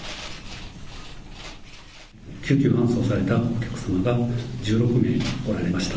救急搬送されたお客様が１６名おられました。